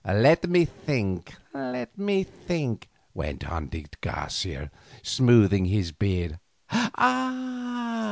"Let me think, let me think," went on de Garcia, smoothing his beard.